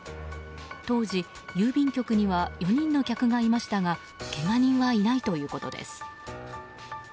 当時、郵便局には４人の客がいましたがけが人はいないということです。